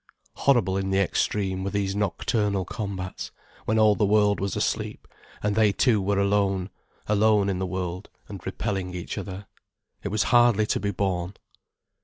Horrible in the extreme were these nocturnal combats, when all the world was asleep, and they two were alone, alone in the world, and repelling each other. It was hardly to be borne.